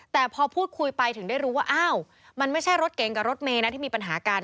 แต่พอพูดคุยไปถึงได้รู้ว่าอ้าวมันไม่ใช่รถเก๋งกับรถเมย์นะที่มีปัญหากัน